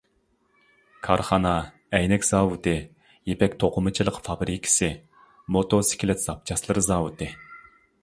كارخانا ئەينەك زاۋۇتى، يىپەك توقۇمىچىلىق فابرىكىسى، موتوسىكلىت زاپچاسلىرى زاۋۇتى.